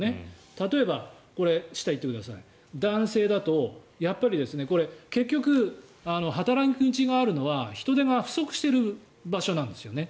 例えばこれ、下行ってください男性だと、やっぱり結局働き口があるのは人手が不足している場所なんですよね。